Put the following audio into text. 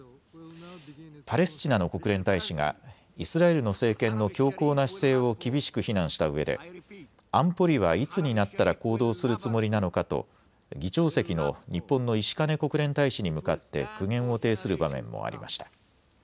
パレスチナの国連大使がイスラエルの政権の強硬な姿勢を厳しく非難したうえで安保理はいつになったら行動するつもりなのかと議長席の日本の石兼国連大使に向かって苦言を呈する場面もありました。